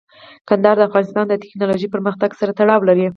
کندهار د افغانستان د تکنالوژۍ پرمختګ سره تړاو لري.